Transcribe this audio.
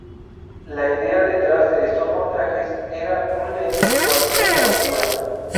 La idea detrás de estos montajes era 'un lente, cualquier montura'.